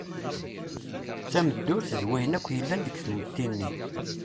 D tameddurt d wayen akk yellan deg tmetti-nni.